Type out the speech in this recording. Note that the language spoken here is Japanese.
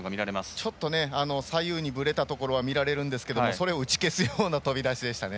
ちょっと左右にぶれたところが見られるんですがそれを打ち消すような飛び出しでしたね。